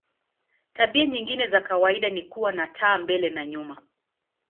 Tabia nyingine za kawaida ni kuwa na taa mbele na nyuma.